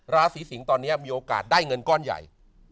ราศีสิงศ์ตอนนี้มีโอกาสได้เงินก้อนใหญ่